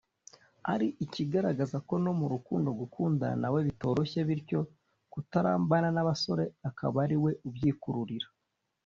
ari ikigaragaza ko no mu rukundo gukundana nawe bitoroshye bityo kutarambana n’abasore akaba ari we ubyikururira